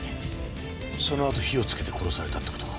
そのあと火をつけて殺されたって事か？